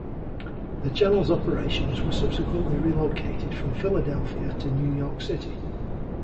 The channel's operations were subsequently relocated from Philadelphia to New York City.